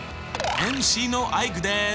ＭＣのアイクです！